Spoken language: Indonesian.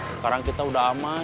sekarang kita udah aman